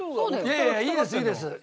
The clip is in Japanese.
いやいやいいですいいです。